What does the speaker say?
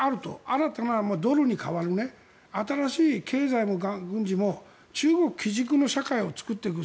新たなドルに代わる新しい経済も軍事も中国基軸の社会を作っていく。